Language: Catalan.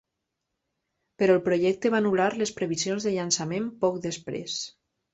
Però el projecte va anular les previsions de llançament poc després.